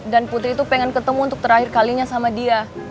dan putri itu pengen ketemu untuk terakhir kalinya sama dia